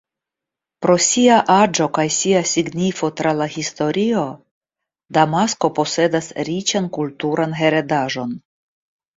Pro sia aĝo kaj sia signifo tra la historio Damasko posedas riĉan kulturan heredaĵon.